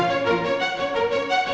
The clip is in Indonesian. udah ngeri ngeri aja